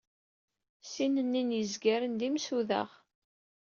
Sin-nni n yizergan d imsudaɣ.